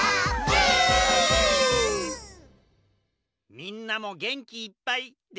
みんなもげんきいっぱいできたかな？